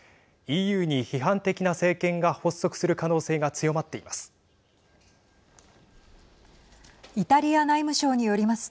ＥＵに批判的な政権が発足する可能性が強まっています。